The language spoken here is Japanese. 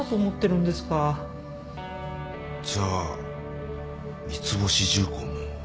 じゃあ三ツ星重工も。